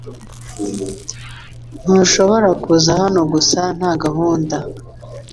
Ntushobora kuza hano gusa nta gahunda.